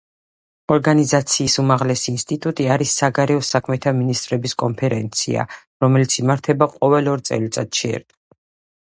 ორგანიზაციის უმაღლესი ინსტიტუტი არის საგარეო საქმეთა მინისტრების კონფერენცია, რომელიც იმართება ყოველ ორ წელიწადში ერთხელ.